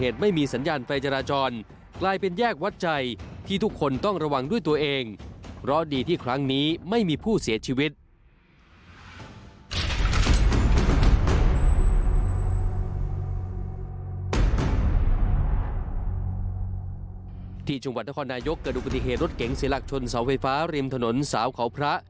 ที่จังหวัดนครนายกเกิดอุบัติเหตุรถเก๋งเสียหลักชนเสาไฟฟ้าริมถนนสาวเขาพระ